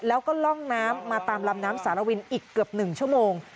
แล้วก็ล่องน้ำมาตามลำน้ำสารวินอีกเกือบ๑ชั่วโมง